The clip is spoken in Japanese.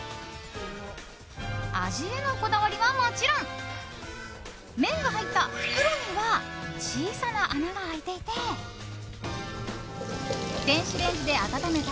味へのこだわりはもちろん麺が入った袋には小さな穴が開いていて電子レンジで温めた